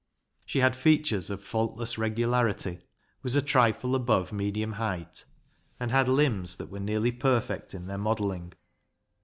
She had features of faultless regularity, was a trifle above medium height, and had limbs that were nearly perfect in their modelling.